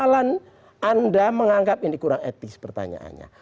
kalau anda menganggap ini kurang etis pertanyaannya